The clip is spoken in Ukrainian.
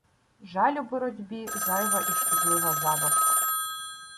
Жаль у боротьбі — зайва і шкідлива забавка.